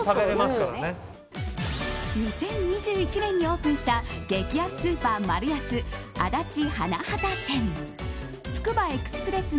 ２０２１年にオープンした激安スーパーマルヤス